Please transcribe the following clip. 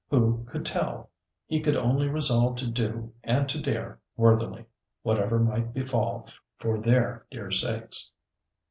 Who could tell? He could only resolve to do and to dare worthily, whatever might befall, for their dear sakes.